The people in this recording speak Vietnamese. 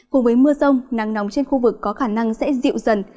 cùng với mưa rông nắng nóng trên khu vực có khả năng sẽ dịu dần